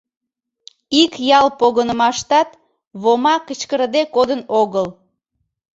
Ик ял погынымаштат Вома кычкырыде кодын огыл.